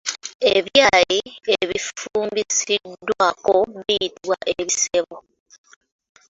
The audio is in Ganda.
Ebyayi ebifumbisiddwako biyitibwa Ebisebo.